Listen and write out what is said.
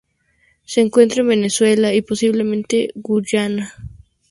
Se encuentra en Venezuela y posiblemente Guyana.